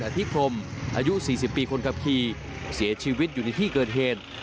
อธิพรมอายุ๔๐ปีคนขับขี่เสียชีวิตอยู่ในที่เกิดเหตุ